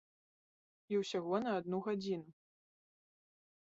І усяго на адну гадзіну.